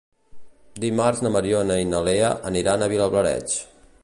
Dimarts na Mariona i na Lea aniran a Vilablareix.